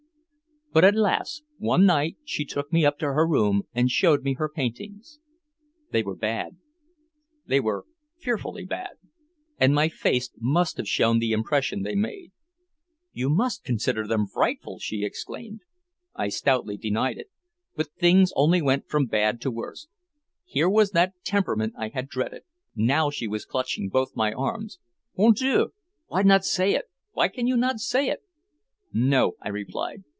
But alas. One night she took me up to her room and showed me her paintings. They were bad. They were fearfully bad, and my face must have shown the impression they made. "You consider them frightful!" she exclaimed. I stoutly denied it, but things only went from bad to worse. Here was that temperament I had dreaded. Now she was clutching both my arms. "Mon dieu! Why not say it? Why cannot you say it?" "No," I replied.